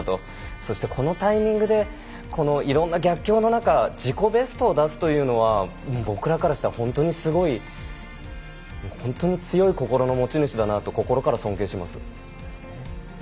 そして、このタイミングでこのいろんな逆境の中自己ベストを出すというのは僕らからしたら本当にすごい本当に強い心の持ち主だなと心から尊敬します。